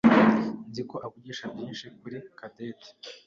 Nzi ko avuga byinshi kuri Cadette.